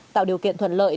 tạo điều kiện thuận lợi